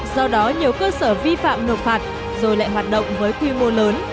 do đó nhiều cơ sở vi phạm nộp phạt rồi lại hoạt động với quy mô lớn